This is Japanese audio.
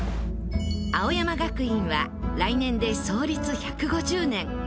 青山学院は来年で創立１５０年。